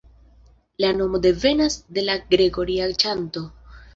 La nomo devenas de la Gregoria ĉanto.